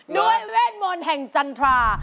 เวทมนต์แห่งจันทรา